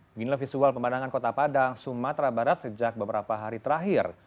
beginilah visual pemandangan kota padang sumatera barat sejak beberapa hari terakhir